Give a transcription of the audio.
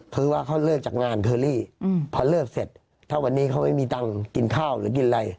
คือว่าเขาเลิกจากงานเคอรี่พอเลิกเสร็จถ้าวันนี้เขาไม่มีตังค์กินข้าวหรือกินอะไร